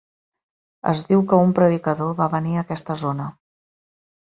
Es diu que un predicador va venir a aquesta zona.